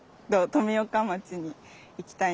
富岡に行きたい？